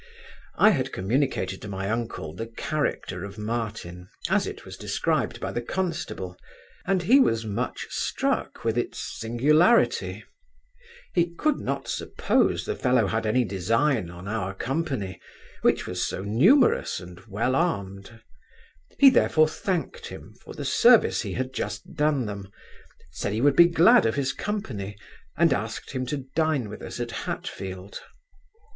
I had communicated to my uncle the character of Martin, as it was described by the constable, and he was much struck with its singularity He could not suppose the fellow had any design on our company, which was so numerous and well armed; he therefore thanked him, for the service he had just done them, said he would be glad of his company, and asked him to dine with us at Hatfield.